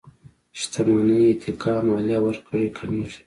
شتمنۍ اتکا ماليې ورکړې کمېږي.